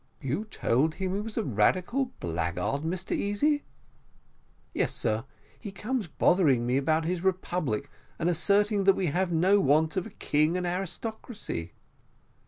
"You told him he was a radical blackguard, Mr Easy?" "Yes, sir; he comes bothering me about his republic, and asserting that we have no want of a king and aristocracy."